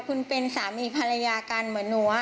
คุณเป็นสามีภรรยากันเหมือนหนู